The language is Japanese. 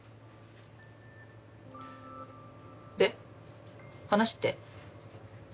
で話って？